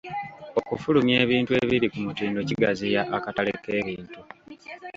Okufulumya ebintu ebiri ku mutindo kigaziya akatale k'ebintu.